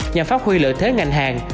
nhằm phát huy lợi thế ngành hàng